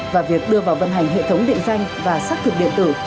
và việc đưa vào vận hành hệ thống định danh và xác thực định